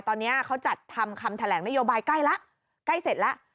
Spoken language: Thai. ตอนนี้เขาจัดทำคำแถลงนโยบายใกล้แล้วใกล้เสร็จแล้ว